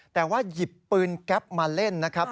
แต่ว่าหยิบปืนแก๊ปมาเล่นนะครับ